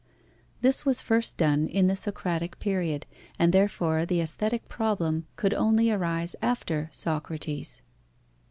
This was first done in the Socratic period, and therefore the aesthetic problem could only arise after Socrates.